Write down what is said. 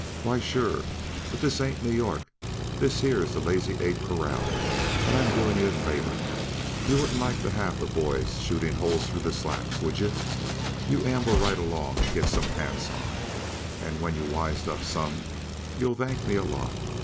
"Why, sure. But this ain't New York; this here's the Lazy Eight corral, and I'm doing yuh a favor. You wouldn't like to have the boys shooting holes through the slack, would yuh? You amble right along and get some pants on and when you've wised up some you'll thank me a lot.